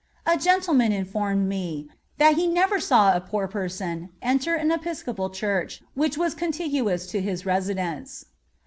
A gentleman informed me that he never saw a poor person enter an Episcopal Church which was contiguous to his residence.